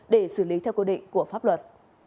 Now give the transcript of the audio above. để xử lý theo quy định của pháp luật